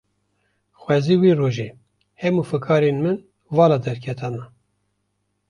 Xwezî wê rojê, hemû fikarên min vala derketana